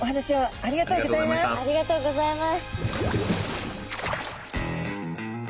ありがとうございます。